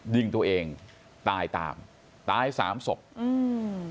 ยิงตัวเองตายตามตายสามศพอืม